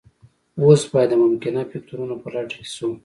اوس باید د ممکنه فکتورونو په لټه کې شو